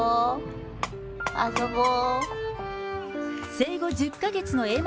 生後１０か月のえま